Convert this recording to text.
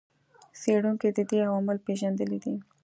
څېړونکو د دې عوامل پېژندلي دي.